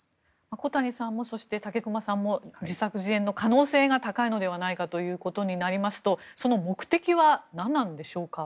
小谷さんもそして、武隈さんも自作自演の可能性が高いのではないかということになりますとその目的は何なんでしょうか。